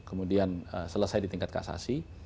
kemudian selesai di tingkat kasasi